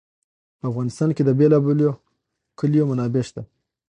په افغانستان کې د بېلابېلو کلیو منابع شته.